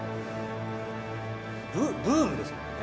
ブームですもんね。